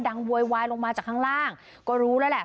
โวยวายลงมาจากข้างล่างก็รู้แล้วแหละ